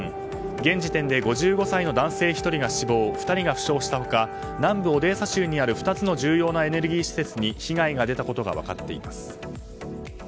現時点で５５歳の男性１人が死亡２人が負傷した他南部オデーサ州にある２つの重要なエネルギー施設に被害が出たことが分かっています。